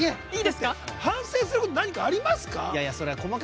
反省すること何かありますか？